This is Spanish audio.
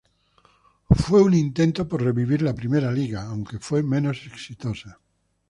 Fue un intento por revivir la primera Liga, aunque fue menos exitosa.